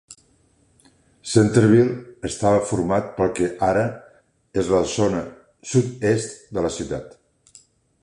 Centerville estava format pel que ara és la zona sud-est de la ciutat.